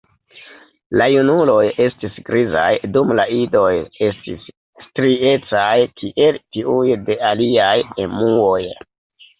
La junuloj estis grizaj, dum la idoj estis striecaj kiel tiuj de aliaj emuoj.